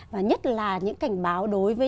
và nhất là những cảnh báo đối với